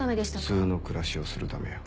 普通の暮らしをするためや。